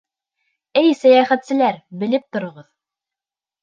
— Эй сәйәхәтселәр, белеп тороғоҙ!